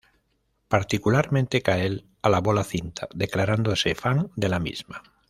Particularmente Kael alabó la cinta, declarándose fan de la misma.